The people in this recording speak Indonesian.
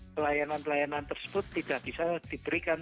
pelayanan pelayanan tersebut tidak bisa diberikan